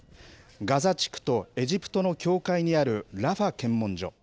ガザ地区とエジプトの境界にあるラファ検問所。